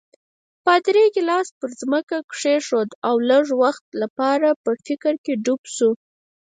پادري ګیلاس پر ځمکه کېښود او لږ وخت لپاره په فکر کې ډوب شو.